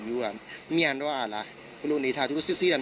มันไม่ใช่แหละมันไม่ใช่แหละ